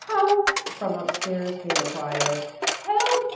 "How " From upstairs came a cry of "Help!